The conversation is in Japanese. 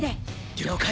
了解。